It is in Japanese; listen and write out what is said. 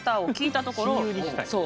そう。